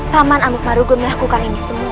paman amukmarugung melakukan ini semua